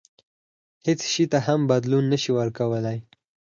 هیڅ شي ته هم بدلون نه شي ورکولای.